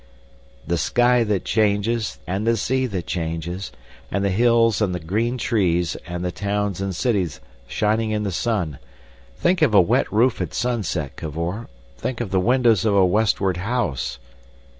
"The sky that changes, and the sea that changes, and the hills and the green trees and the towns and cities shining in the sun. Think of a wet roof at sunset, Cavor! Think of the windows of a westward house!"